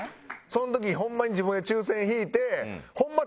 その時にホンマに自分で抽選引いてホンマ